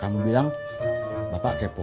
kamu bilang bapak kepoh